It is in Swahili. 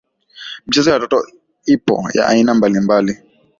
Michezo ya watoto ipo ya aina mbalimbali